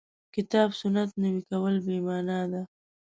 کتاب سنت نوي کول بې معنا ده.